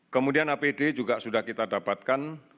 kemudian apd juga sudah kita dapatkan